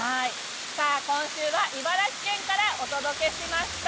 今週は茨城県からお届けしました。